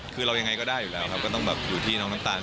คือเรายังไงก็ได้อยู่แล้วครับก็ต้องแบบอยู่ที่น้องน้ำตาล